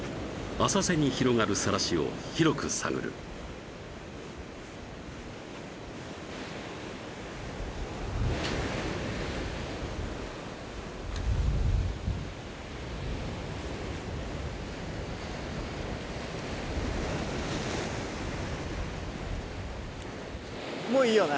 浅瀬に広がるサラシを広く探るもういいよね？